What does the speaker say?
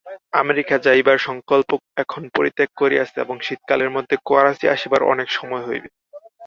America যাইবার সঙ্কল্প এখন পরিত্যাগ করিয়াছি এবং শীতকালের মধ্যে করাচি আসিবার অনেক সময় হইবে।